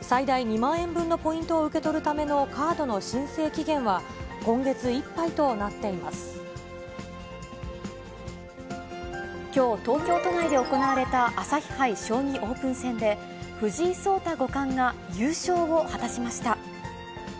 最大２万円分のポイントを受け取るためのカードの申請期限は今月きょう、東京都内で行われた朝日杯将棋オープン戦で、藤井聡太五冠が優勝を果たしました。